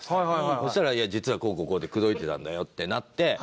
そしたら「実はこうこうこうで口説いてたんだよ」ってなって。